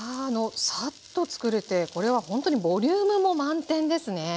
サッとつくれてこれはほんとにボリュームも満点ですね！